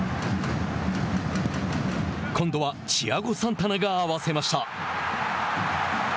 今度はチアゴ・サンタナが合わせました。